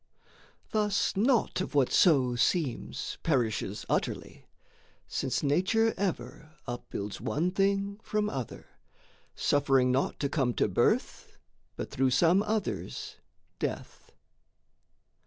Thus naught of what so seems Perishes utterly, since Nature ever Upbuilds one thing from other, suffering naught To come to birth but through some other's death.